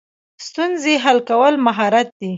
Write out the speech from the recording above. ستونزې حل کول مهارت دی